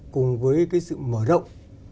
cùng với sự mở rộng